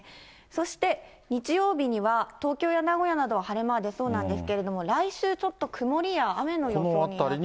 そして日曜日には、東京や名古屋などは晴れ間が出そうなんですけど、来週ちょっと曇りや雨の予想になってきました。